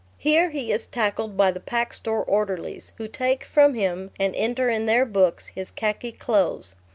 Here he is tackled by the Pack Store orderlies, who take from him, and enter in their books, his khaki clothes.